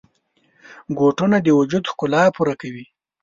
بوټونه د وجود ښکلا پوره کوي.